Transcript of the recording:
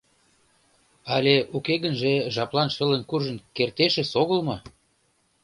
Але уке гынже жаплан шылын куржын кертешыс огыл мо?